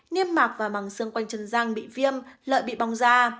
niêm mạc và mằng xương quanh chân răng bị viêm lợi bị bong ra